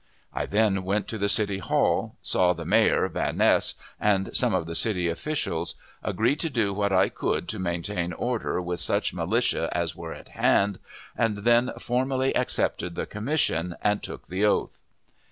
I then went to the City Hall, saw the mayor, Van Ness, and some of the city officials, agreed to do what I could to maintain order with such militia as were on hand, and then formally accepted the commission, and took the "oath."